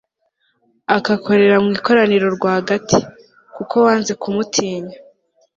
akakoreka mu ikoraniro rwagati, kuko wanze kumutinya